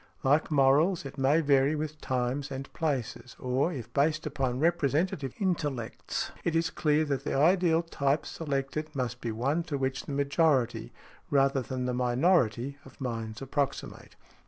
Like morals, it may vary with times and places, or, if based upon representative intellects, it is clear that the ideal type selected must be one to which the majority, rather than the minority, of minds approximate .